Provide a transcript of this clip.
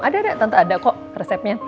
ada ada tante ada kok resepnya